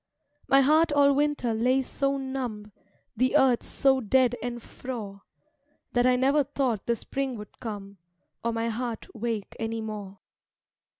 My heart all Winter lay so numb, The earth so dead and frore, That I never thought the Spring would come, Or my heart wake any more.